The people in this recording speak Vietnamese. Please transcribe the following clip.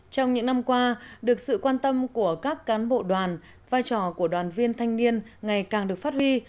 trong những năm qua được sự quan tâm của các cán bộ đoàn vai trò của đoàn viên thanh niên ngày càng được phát huy